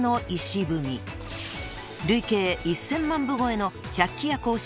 ［累計１，０００万部超えの百鬼夜行シリーズ